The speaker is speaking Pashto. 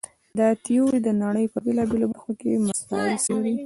دا تیوري د نړۍ په بېلابېلو برخو کې مسایل څېړي.